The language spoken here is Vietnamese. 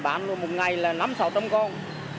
bán một ngày là năm sáu trăm linh con